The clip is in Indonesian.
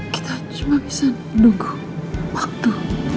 kita cuma bisa nunggu waktu